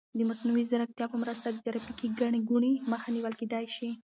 د مصنوعي ځیرکتیا په مرسته د ترافیکي ګڼې ګوڼې مخه نیول کیدای شي.